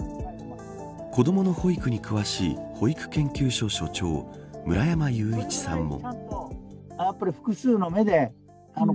子どもの保育に詳しい保育研究所、所長村山祐一さんも。